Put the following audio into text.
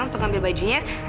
untuk ngambil bajunya